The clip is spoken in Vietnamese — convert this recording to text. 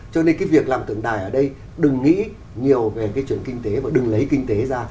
cho nên cái việc làm tượng đài ở đây đừng nghĩ nhiều về cái trường kinh tế và đừng lấy kinh tế ra